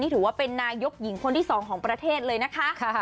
ถือว่าเป็นนายกหญิงคนที่๒ของประเทศเลยนะคะ